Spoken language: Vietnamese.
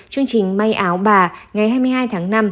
chương trình may áo bà ngày hai mươi hai tháng năm